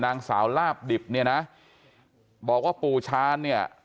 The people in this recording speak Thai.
นางสาวลาบดิบเนี่ยนะบอกว่าปู่ชาญเนี่ย